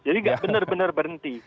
jadi tidak benar benar berhenti